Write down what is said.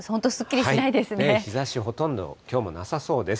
日ざし、ほとんど、きょうもなさそうです。